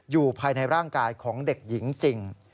อยู่ภายในร่างกายของเด็กหญิงจริง